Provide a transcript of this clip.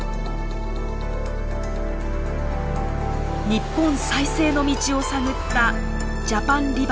日本再生の道を探った「ジャパン・リバイバル」。